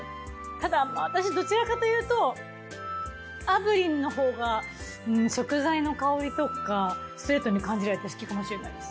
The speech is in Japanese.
ただ私どちらかというと炙輪のほうが食材の香りとかストレートに感じられて好きかもしれないです。